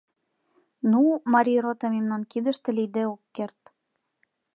Ну, Марий рота мемнан кидыште лийде ок керт.